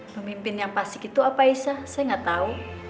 pemimpin yang fasik itu apa aisyah saya gak tau